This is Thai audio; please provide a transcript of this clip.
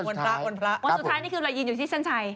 วันสุดท้ายนี่คือเรายืนอยู่ที่เส้นชัย